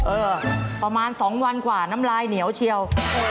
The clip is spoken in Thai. เออประมาณ๒วันกว่าน้ำลายเหนียวเชียว